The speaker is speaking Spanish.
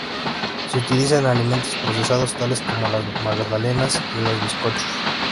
Se utiliza en alimentos procesados tales como las magdalenas y los bizcochos.